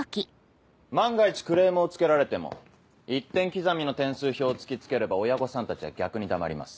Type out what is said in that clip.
万が一クレームをつけられても１点刻みの点数表を突き付ければ親御さんたちは逆に黙ります。